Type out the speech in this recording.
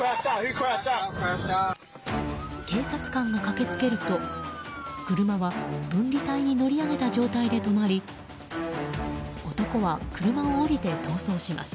警察官が駆けつけると車は、分離帯に乗り上げた状態で止まり男は、車を降りて逃走します。